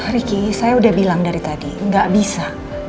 riki saya udah bilang dari tadi gak bisa